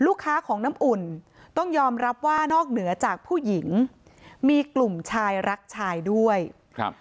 ลูกค้าของน้ำอุ่นต้องยอมรับว่านอกเหนือจากผู้หญิงมีกลุ่มชายรักชายด้วยครับ